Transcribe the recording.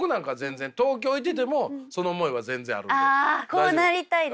こうなりたいです。